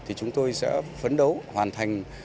thì chúng tôi sẽ phấn đấu hoàn thành